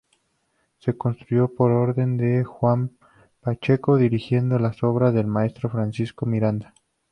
Se construyó por orden de Juan Pacheco, dirigiendo las obras el maestro Francisco Miranda.